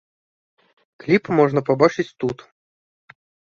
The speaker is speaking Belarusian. Кліп можна пабачыць тут.